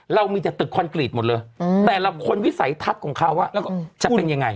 เรามีแต่ตึกคอนกรีตหมดเลยแต่ละคนวิสัยทัศน์ของเขาจะเป็นยังไง